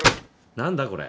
何だこれ。